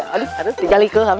aduh harus dijalinkan